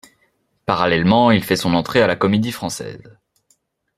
Parallèlement, il fait son entrée à la Comédie-Française.